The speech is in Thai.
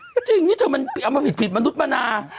ก็จริงนี่เธอมันเอามาผิดผิดมนุษย์มานา